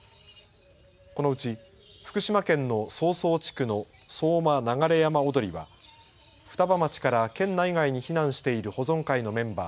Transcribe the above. このうち福島県の相双地区の相馬流れ山踊りは双葉町から県内外に避難している保存会のメンバー